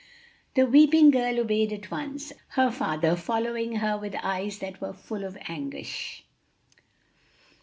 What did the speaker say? The weeping girl obeyed at once, her father following her with eyes that were full of anguish.